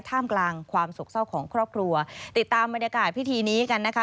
ท่ามกลางความโศกเศร้าของครอบครัวติดตามบรรยากาศพิธีนี้กันนะคะ